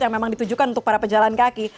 yang memang ditujukan untuk para pejalan kaki